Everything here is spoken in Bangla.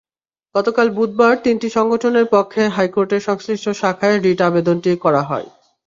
গতকাল বুধবার তিনটি সংগঠনের পক্ষে হাইকোর্টের সংশ্লিষ্ট শাখায় রিট আবেদনটি করা হয়।